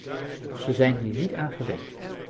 Ze zijn hier niet aan gewend.